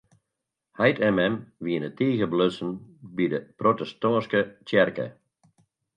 Heit en mem wiene tige belutsen by de protestantske tsjerke.